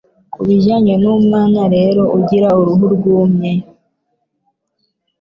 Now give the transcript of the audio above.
ku bijyanye n'umwana rero ugira uruhu rwumye,